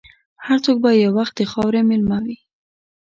هر څوک به یو وخت د خاورې مېلمه وي.